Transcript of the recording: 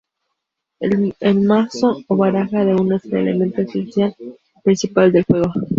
El mazo o baraja de Uno es el elemento esencial y principal del juego.